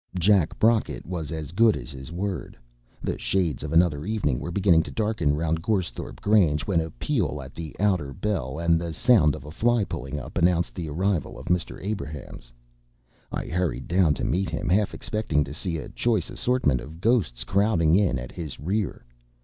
Jack Brocket was as good as his word. The shades of another evening were beginning to darken round Goresthorpe Grange, when a peal at the outer bell, and the sound of a fly pulling up, announced the arrival of Mr. Abrahams. I hurried down to meet him, half expecting to see a choice assortment of ghosts crowding in at his rear.